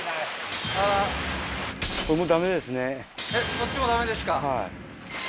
そっちもダメですか？